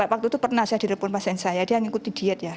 waktu itu pernah saya direpon pasien saya dia mengikuti diet ya